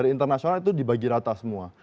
internasional itu dibagi rata semua